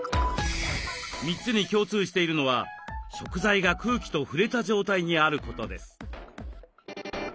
３つに共通しているのは食材が空気と触れた状態にあることです。